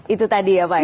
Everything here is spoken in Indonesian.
itu tadi ya pak ya